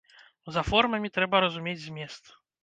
За формамі трэба разумець змест.